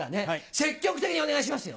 積極的にお願いしますよ。